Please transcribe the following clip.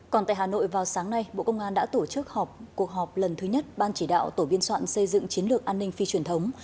còn tại hà nội vào sáng nay bộ công an đã tổ chức cuộc họp lần thứ nhất ban chỉ đạo tổ biên soạn xây dựng chiến lược an ninh phi truyền thống